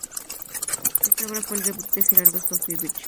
Esta obra fue el debut de Gerardo Sofovich como director del Maipo.